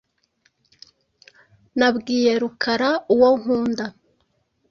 Nabwiye Rukara uwo nkunda.